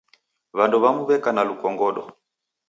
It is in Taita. W'andu w'amu w'eka na lukongodo.